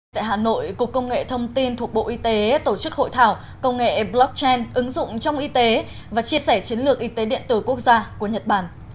tại hà nội cục công nghệ thông tin thuộc bộ y tế tổ chức hội thảo công nghệ blockchain ứng dụng trong y tế và chia sẻ chiến lược y tế điện tử quốc gia của nhật bản